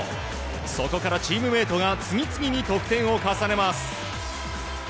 そこからチームメートが次々に得点を重ねます。